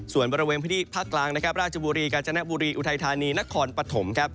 ส่วนบริเวณพลังพฤธิภาคกลางราชบุรีกาลจนบุรีอุทัยฐานีนครปัตธม